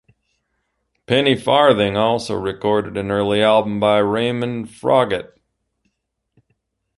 Penny Farthing also recorded an early album by Raymond Froggatt.